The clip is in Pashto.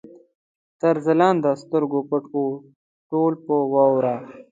تر ځلانده سترګو پټ وو، ټول په واوره